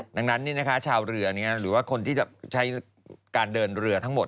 ดังนั้นชาวเรือหรือว่าคนที่จะใช้การเดินเรือทั้งหมด